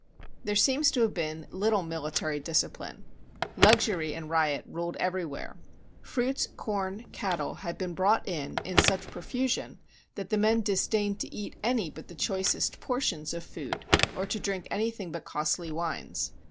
There seems to have been little military disci pline. Luxury and riot ruled everywhere. Fruits, corn, cattle, had been brought in in such profusion THE BOOK OF FAMOUS SIEGES that the men disdained to eat any but the choicest portions of food or to drink anything but costly wines.